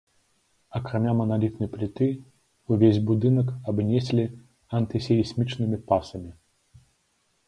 Акрамя маналітнай пліты, увесь будынак абнеслі антысейсмічнымі пасамі.